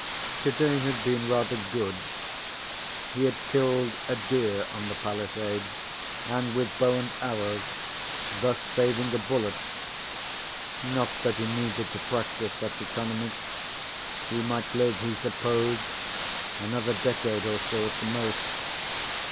Today had been rather good. He had killed a deer on the Palisades, and with bow and arrow, thus saving a bullet. Not that he needed to practice such economy. He might live, he supposed, another decade or so at the most.